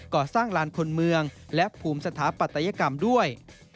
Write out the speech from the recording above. ก่อสร้างลานคนเมืองและภูมิสถาปัตยกรรมด้วย